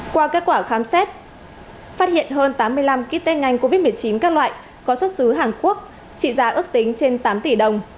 qua kết quả khám xét phát hiện hơn tám mươi năm ký tên ngành covid một mươi chín các loại có xuất xứ hàn quốc trị giá ước tính trên tám tỷ đồng